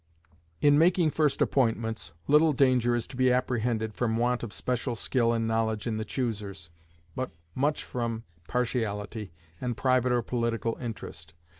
In making first appointments, little danger is to be apprehended from want of special skill and knowledge in the choosers, but much from partiality, and private or political interest.